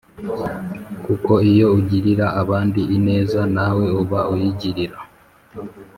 kuko iyo ugirira abandi ineza, nawe uba uyigirira.